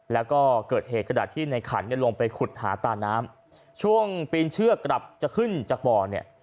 แล้วก็เกิดเหตุกระดาษที่ในขันเนี่ยลงไปขุดหาตาน้ำช่วงปีนเชือกกลับจะขึ้นจากบ่อเนี่ย